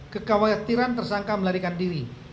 kekhawatiran tersangka melarikan diri